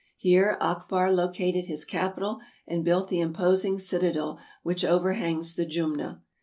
Here Akbar located his capital and built the imposing citadel which overhangs the Jumna.